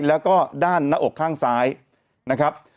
แล้วก็ด้านหน้าอกข้างซ้ายนะครับ